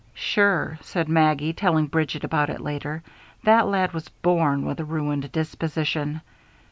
"Sure," said Maggie, telling Bridget about it later, "that lad was born with a ruined disposition.